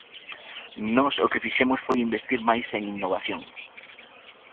Nós o que fixemos foi investir máis en innovación.